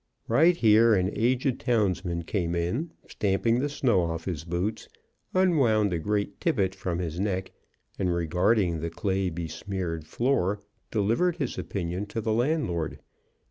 Right here an aged townsman came in, stamping the snow off his boots, unwound a great tippet from his neck, and regarding the clay besmeared floor, delivered his opinion to the landlord.